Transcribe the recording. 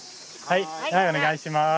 はいお願いします。